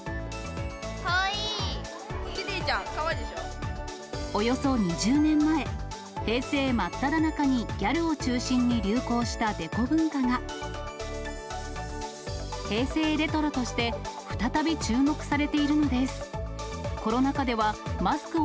キティちゃん、およそ２０年前、平成真っただ中にギャルを中心に流行したデコ文化が、平成レトロとして再び注目されているのです。